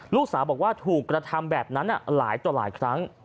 ลูกสาวบอกว่าถูกกระทำแบบนั้นหลายต่อหลายครั้ง